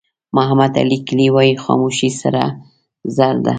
محمد علي کلي وایي خاموشي سره زر ده.